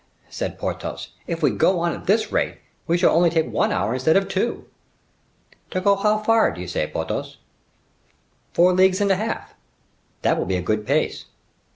said Porthos, "if we go on at this rate, we shall only take one hour instead of two." "To go how far, do you say, Porthos?" "Four leagues and a half." "That will be a good pace."